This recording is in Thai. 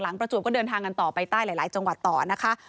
ประจวบก็เดินทางกันต่อไปใต้หลายจังหวัดต่อนะคะ